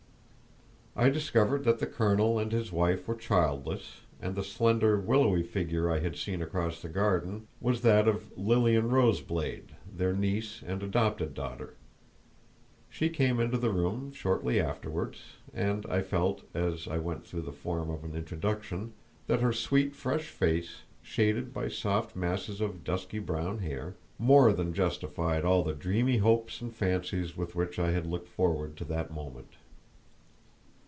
I discovered that the colonel and his wife were childless, and the slender willowy figure I had seen across the garden wall was that of Lilian Roseblade, their niece and adopted daughter. She came into the room shortly afterward, and I felt, as I went through the form of an introduction, that her sweet, fresh face, shaded by soft masses of dusky brown hair, more than justified all the dreamy hopes and fancies with which I had looked forward to that moment.